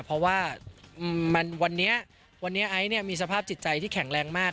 เพราะว่าวันนี้วันนี้ไอซ์มีสภาพจิตใจที่แข็งแรงมาก